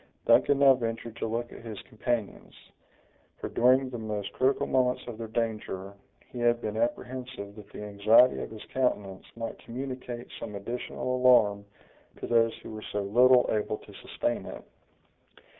Duncan now ventured to look at his companions; for, during the most critical moments of their danger, he had been apprehensive that the anxiety of his countenance might communicate some additional alarm to those who were so little able to sustain it.